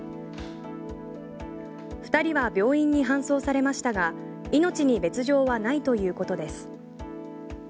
２人は病院に搬送されましたが命に別状はないということです。